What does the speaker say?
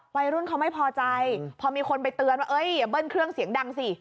วัยรุ่นเขาไม่พอใจพอมีคนไปเตือนว่าอย่าเบิ้ลเครื่องเสียงดังสิ